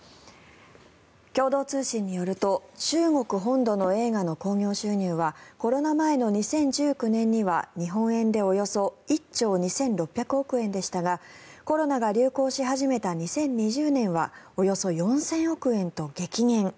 共同通信によると中国本土の映画の興行収入はコロナ前の２０１９年には日本円でおよそ１兆２６００億円でしたがコロナが流行し始めた２０２０年はおよそ４０００億円と激減。